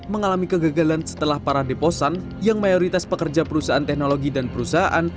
mengalami kegagalan setelah para deposan yang mayoritas pekerja perusahaan teknologi dan perusahaan